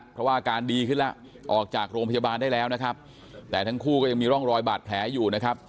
เพราะว่าอาการดีขึ้นแล้วออกจากโรงพยาบาลได้แล้วนะครับแต่ทั้งคู่ก็ยังมีร่องรอยบาดแผลอยู่นะครับ